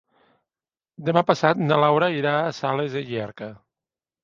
Demà passat na Laura irà a Sales de Llierca.